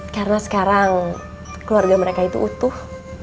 karena sekarang keluarga mereka itu utuh